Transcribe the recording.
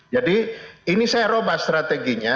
ini saya roba strateginya